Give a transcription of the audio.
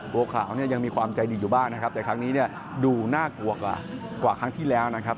บัวขาวเนี่ยยังมีความใจดีอยู่บ้างนะครับแต่ครั้งนี้เนี่ยดูน่ากลัวกว่าครั้งที่แล้วนะครับ